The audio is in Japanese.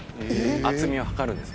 厚みを測るんです。